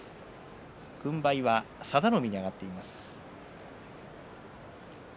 軍配は佐田の海が上がっています。